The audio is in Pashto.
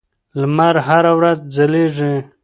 لمر هره ورځ ځلېږي.